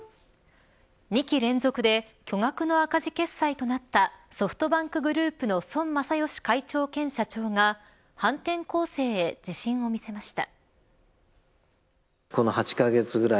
２期連続で巨額の赤字決済となったソフトバンクグループの孫正義会長兼社長が反転攻勢へ自信を見せました。